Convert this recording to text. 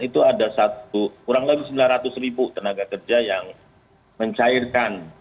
itu ada satu kurang lebih sembilan ratus ribu tenaga kerja yang mencairkan